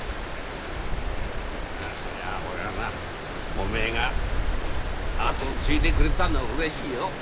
そりゃ俺はなおめえが跡を継いでくれたのはうれしいよ。